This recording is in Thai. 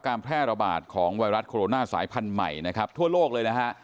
การแพร่ระบาดของไวรัสโคโรนาสายพันธุ์ใหม่นะครับทั่วโลกเลยนะฮะ